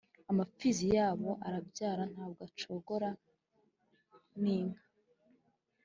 Amapfizi yabo arabyara ntabwo acogora N inka